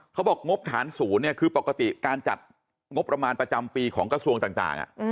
เขาบอกงบฐานศูนย์เนี่ยคือปกติการจัดงบประมาณประจำปีของกระทรวงต่าง